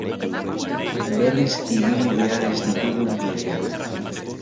Berriz ibili behar ez ditugun bideak.